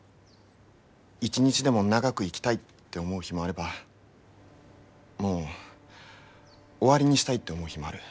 一日でも長く生きたいって思う日もあればもう終わりにしたいって思う日もある。